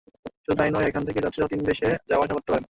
শুধু তা-ই নয়, এখান থেকে যাত্রীরাও তিন দেশে যাওয়া-আসা করতে পারবেন।